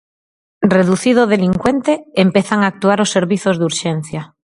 Reducido o delincuente empezan a actuar os servizos de urxencia.